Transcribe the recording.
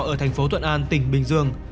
ở thành phố thuận an tỉnh bình dương